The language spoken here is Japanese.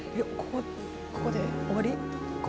ここで終わり？